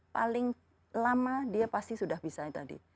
paling lama dia pasti sudah bisa tadi